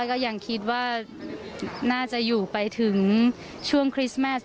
ก็ยังคิดว่าน่าจะอยู่ไปถึงช่วงคริสต์มาส